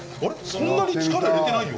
そんなに力入れてないよ